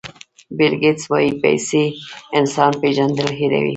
بیل ګېټس وایي پیسې انسان پېژندل هیروي.